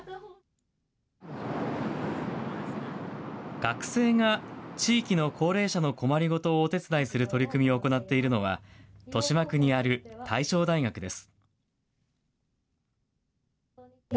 学生が地域の高齢者の困りごとをお手伝いする取り組みを行っているのは、豊島区にある大正大学です。